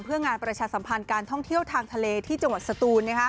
เพื่องานประชาสัมพันธ์การท่องเที่ยวทางทะเลที่จังหวัดสตูน